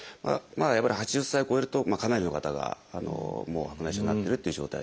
やっぱり８０歳を超えるとかなりの方が白内障になってるっていう状態ですね。